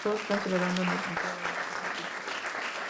Todos están celebrando en la entrada de la estupa.